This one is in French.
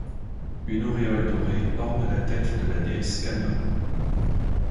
Une auréole dorée orne la tête de la déesse Kannon.